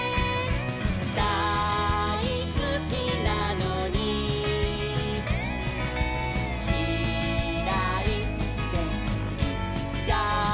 「だいすきなのにキライっていっちゃう」